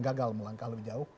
gagal melangkah lebih jauh